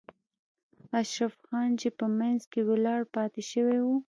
اشرف خان چې په منځ کې ولاړ پاتې شوی و.